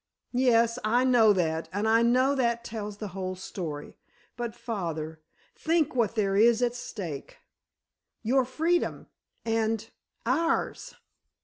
"Yes, I know that, and I know that tells the whole story. But, father, think what there is at stake. Your freedom—and—ours!"